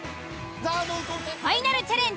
ファイナルチャレンジ